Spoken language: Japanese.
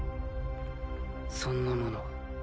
そんなもの